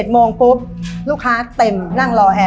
โมงปุ๊บลูกค้าเต็มนั่งรอแห่